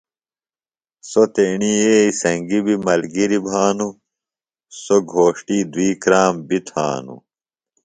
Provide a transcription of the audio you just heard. سوۡ تیݨی ییئے سنگیۡ بیۡ ملگِری بھانوۡ۔ سوۡ گھوݜٹی دوئی کرام بیۡ تھانوۡ۔